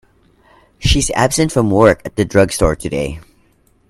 She is absent from work at the drug store today.